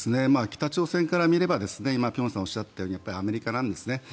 北朝鮮から見れば辺さんがおっしゃったようにやっぱりアメリカなんですね。